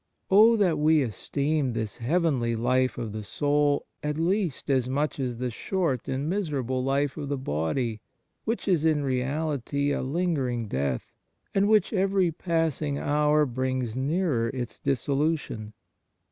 Oh that we esteemed this heavenly life of the soul at least as much as the short and miserable life of the body, which is in reality a lingering death, ^and which every passing hour brings nearer its dis solution